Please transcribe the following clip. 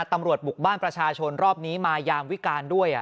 ตำรวจบุกบ้านประชาชนรอบนี้มายามวิการด้วย